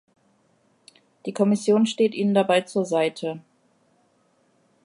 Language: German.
Die Kommission steht Ihnen dabei zur Seite.